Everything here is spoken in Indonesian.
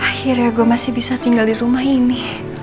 akhirnya gue masih bisa tinggal di rumah ini